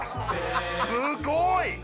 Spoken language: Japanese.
すごい！